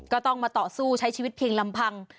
ก็ต้องมาต่อสู้ใช้ชีวิตเพียงลำพัง